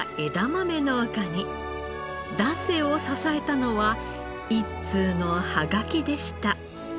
男性を支えたのは一通の葉書でした。